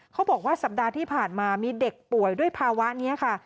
เขาบอกว่าสัปดาห์ที่ผ่านมามีเด็กป่วยด้วยภาวะนี้ค่ะ